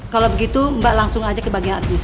kalau begitu mbak langsung aja ke bagian artis